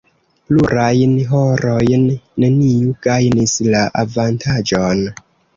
Plurajn horojn neniu gajnis la avantaĝon.